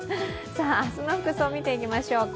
明日の服装見ていきましょうか。